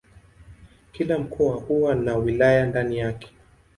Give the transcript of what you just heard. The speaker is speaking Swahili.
Kila mkoa huwa na wilaya ndani yake.